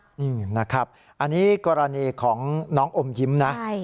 นี่นะครับอันนี้กรณีของน้องอมยิ้มนะ